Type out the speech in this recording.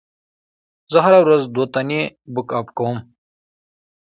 زه هره ورځ دوتنې بک اپ کوم.